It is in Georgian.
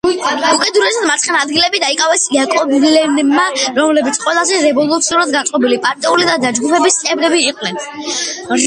უკიდურესად მარცხენა ადგილები დაიკავეს იაკობინელებმა, რომლებიც ყველაზე რევოლუციურად განწყობილი პარტიული დაჯგუფების წევრები იყვნენ.